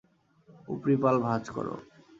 উপরি পাল ভাঁজ করো!